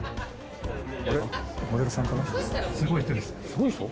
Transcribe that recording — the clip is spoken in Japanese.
すごい人？